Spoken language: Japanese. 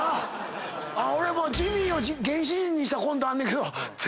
俺もジミーを原始人にしたコントあんねんけど。